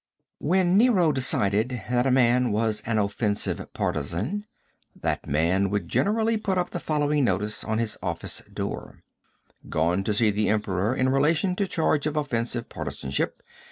When Nero decided that a man was an offensive partisan, that man would generally put up the following notice on his office door: "Gone to see the Emperor in relation to charge of offensive partisanship.